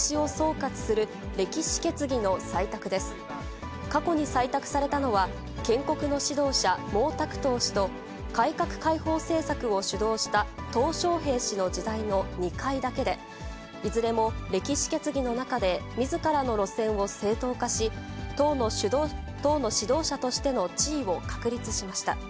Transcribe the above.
過去に採択されたのは、建国の指導者、毛沢東氏と、改革開放政策を主導したとう小平氏の時代の２回だけで、いずれも歴史決議の中でみずからの路線を正当化し、党の指導者としての地位を確立しました。